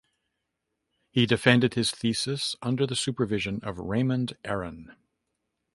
He defended his thesis under the supervision of Raymond Aron.